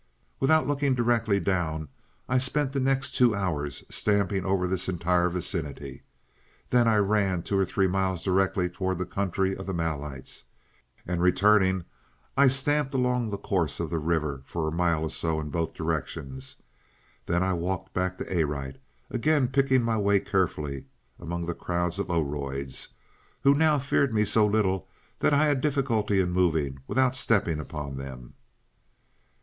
"Without looking directly down, I spent the next two hours stamping over this entire vicinity. Then I ran two or three miles directly toward the country of the Malites, and returning I stamped along the course of the river for a mile or so in both directions. Then I walked back to Arite, again picking my way carefully among crowds of Oroids, who now feared me so little that I had difficulty in moving without stepping upon them.